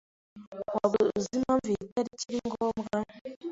Waba uzi impamvu iyi tariki ari ngombwa?